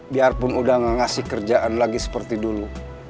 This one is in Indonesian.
biarpun udah ngekasih kerjaan lagi seperti dulu